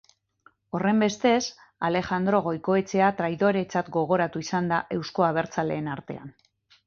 Horrenbestez, Alejandro Goikoetxea traidoretzat gogoratu izan da eusko abertzaleen artean.